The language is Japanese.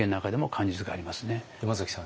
山崎さん